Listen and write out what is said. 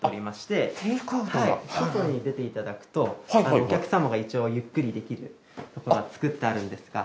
はい外に出ていただくとお客様が一応ゆっくりできるところが作ってあるんですが。